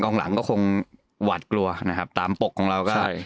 หลังก็คงหวาดกลัวนะครับตามปกของเราก็ใช่